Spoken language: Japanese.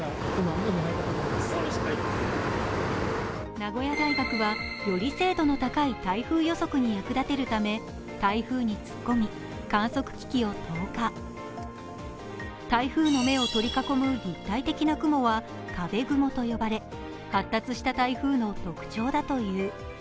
名古屋大学はより精度の高い台風予測に役立てるため台風の目を取り囲む立体的な雲は壁雲と呼ばれ発達した台風の特徴だという。